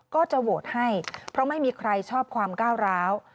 ก็จะโหวตให้เพราะไม่มีใครชอบความก้าวร้าว